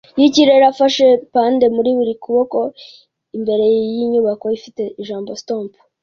yikirere afashe pande muri buri kuboko imbere yinyubako ifite ijambo "stomp"